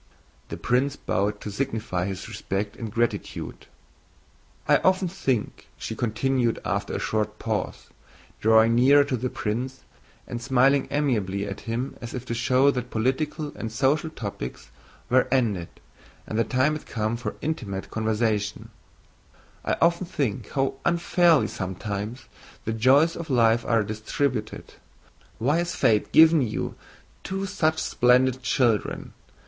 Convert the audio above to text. The prince bowed to signify his respect and gratitude. "I often think," she continued after a short pause, drawing nearer to the prince and smiling amiably at him as if to show that political and social topics were ended and the time had come for intimate conversation—"I often think how unfairly sometimes the joys of life are distributed. Why has fate given you two such splendid children?